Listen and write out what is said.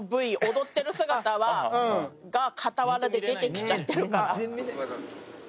踊ってる姿が傍らで出てきちゃってるから。